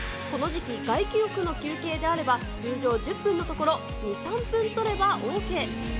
この時期、外気浴の休憩であれば、通常１０分のところ、２、３分取ればＯＫ。